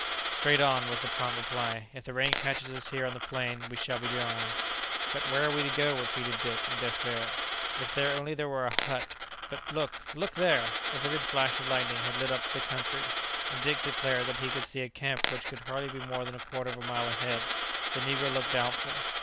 "Straight on," was the prompt reply; "if the rain catches us here on the plain we shall all be drowned." "But where are we to go?" repeated Dick, in despair; "if only there were a hut! But look, look there!" A vivid flash of lightning had lit up the country, and Dick declared that he could see a camp which could hardly be more than a quarter of a mile ahead. The negro looked doubtful.